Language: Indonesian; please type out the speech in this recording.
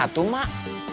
kenapa tuh mak